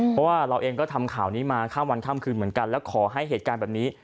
เพราะว่าเราเองก็ทำข่าวนี้มาข้ามวันข้ามคืนเหมือนกันแล้วขอให้เหตุการณ์แบบนี้